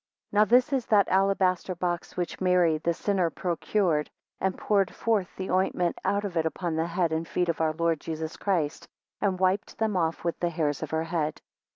4 Now this is that alabaster box which Mary the sinner procured, and poured forth the ointment out of it upon the head and the feet of our Lord Jesus Christ, and wiped them off with the hairs of her head.